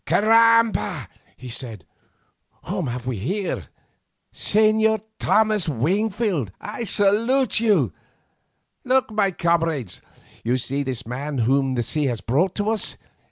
"Caramba!" he said, "whom have we here? Señor Thomas Wingfield I salute you. Look, my comrades, you see this young man whom the sea has brought to us.